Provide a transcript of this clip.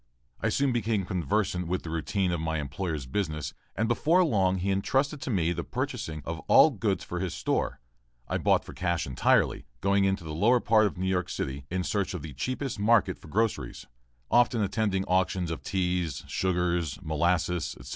I soon became conversant with the routine of my employer's business and before long he entrusted to me the purchasing of all goods for his store. I bought for cash entirely, going into the lower part of New York City in search of the cheapest market for groceries, often attending auctions of teas, sugars, molasses, etc.